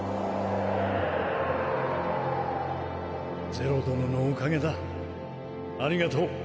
是露殿のおかげだありがとう。